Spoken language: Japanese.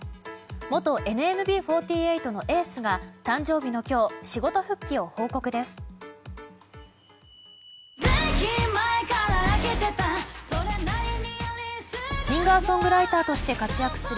元ＮＭＢ４８のエースが誕生日の今日仕事復帰を報告です。